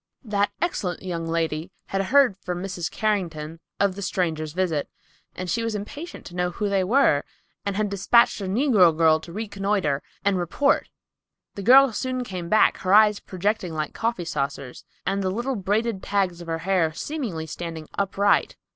That excellent young lady had heard from Mrs. Carrington of the strangers' visit, and she was impatient to know who they were and had dispatched a negro girl to reconnoiter and report. The girl soon came back, her eyes projecting like coffee saucers, and the little braided tags of her hair seemingly standing upright.